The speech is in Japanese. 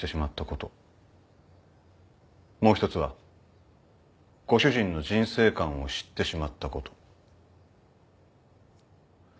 もう一つはご主人の人生観を知ってしまったこと。